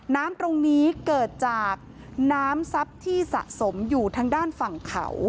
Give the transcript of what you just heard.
น้ำตรงนี้เกิดจากน้ำทรัพย์ที่สะสมอยู่ทางด้านฝั่งเขา